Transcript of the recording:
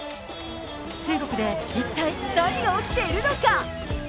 中国で一体何が起きているのか。